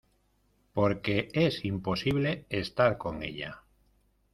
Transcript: porque es imposible estar con ella.